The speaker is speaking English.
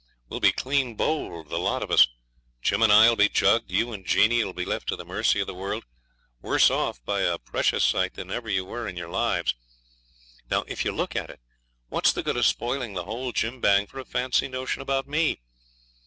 We'll be clean bowled the lot of us. Jim and I will be jugged. You and Jeanie will be left to the mercy of the world, worse off by a precious sight than ever you were in your lives. Now, if you look at it, what's the good of spoiling the whole jimbang for a fancy notion about me?